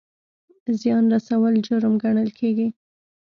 زیان رسول جرم ګڼل کیږي